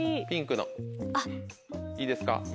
ピンクのいいですか？